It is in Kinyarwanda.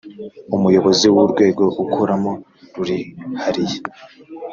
Umuyobozi w’ Urwego akoramo rurihariye